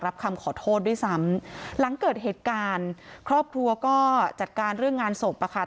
คำขอโทษด้วยซ้ำหลังเกิดเหตุการณ์ครอบครัวก็จัดการเรื่องงานศพอะค่ะ